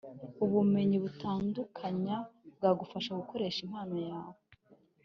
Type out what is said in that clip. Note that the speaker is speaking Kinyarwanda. ubumenyi butandukanya bwagufasha gukoresha impano yawe